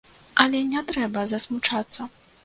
Але не трэба засмучацца!